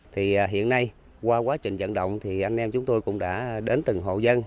thì hiện nay qua quá trình dẫn động thì anh em chúng tôi cũng đã đến từng hộ dân